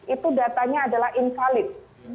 itu datanya adalah invalid